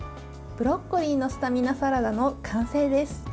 ブロッコリーのスタミナサラダの完成です。